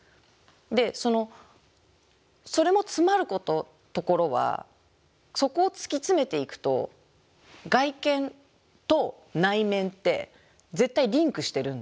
でそれもつまるところはそこを突き詰めていくと外見と内面って絶対リンクしてるんで。